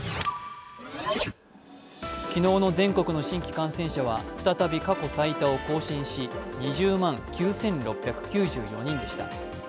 昨日の全国の新規感染者は再び過去最多を更新し２０万９６９４人でした。